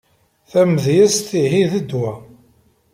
Tamedyezt ihi d ddwa.